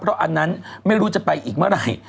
เพราะอันนั้นไม่รู้จะไปอีกเมื่อไหร่